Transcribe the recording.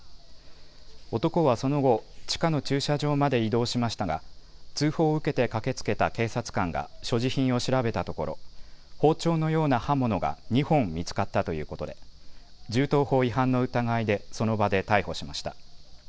男はその後、地下の駐車場まで移動しましたが通報を受けて駆けつけた警察官が所持品を調べたところ包丁のような刃物が２本見つかったということで銃刀法違反の疑いでその場で逮捕しました。